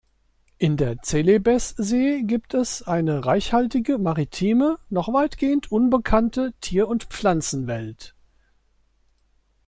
In der Celebessee gibt es eine reichhaltige maritime noch weitgehend unbekannte Tier- und Pflanzenwelt.